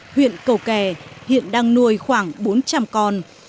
huyện cầu kè hiện đang nuôi khoảng bốn trăm linh con